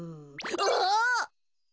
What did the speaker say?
あっ！